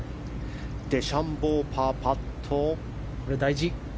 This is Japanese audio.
デシャンボーパーパット。